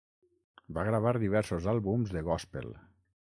Va gravar diversos àlbums de gòspel.